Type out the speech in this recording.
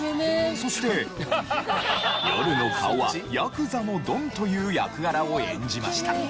そして夜の顔はヤクザのドンという役柄を演じました。